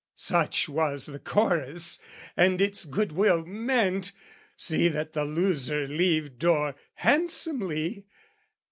Such was the chorus: and its good will meant "See that the loser leave door handsomely!